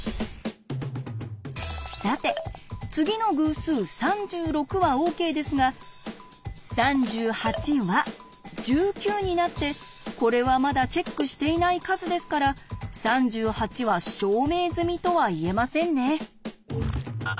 さて次の偶数３６はＯＫですが３８は１９になってこれはまだチェックしていない数ですから３８は証明済みとは言えませんね。